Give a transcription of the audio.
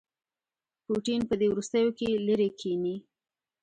پوټین په دې وروستیوکې لیرې کښيني.